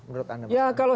menurut anda pak taufik